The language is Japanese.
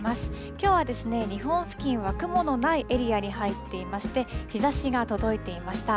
きょうは日本付近は雲のないエリアに入っていまして、日ざしが届いていました。